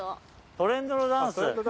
トレンドダンス。